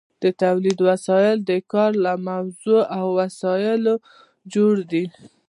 د تولید وسایل د کار له موضوع او وسایلو جوړ دي.